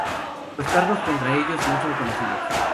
Los cargos contra ellos no son conocidos.